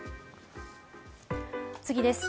次です。